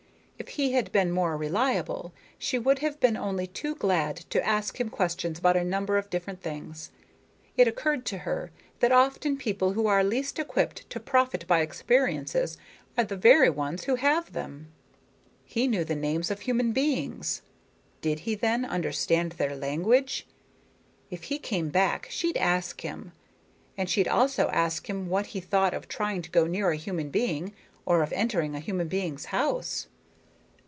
If he had been more reliable she would have been only too glad to ask him questions about a number of different things. It occurred to her that often people who are least equipped to profit by experiences are the very ones who have them. He knew the names of human beings. Did he, then, understand their language? If he came back, she'd ask him. And she'd also ask him what he thought of trying to go near a human being or of entering a human being's house.